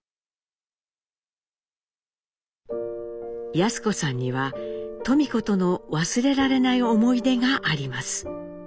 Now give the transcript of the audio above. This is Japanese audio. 康子さんには登美子との忘れられない思い出があります。